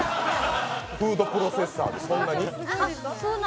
フードプロセッサーでそんなに？